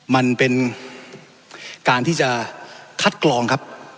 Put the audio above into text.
มันเป็นการที่จะคัดกรองครับ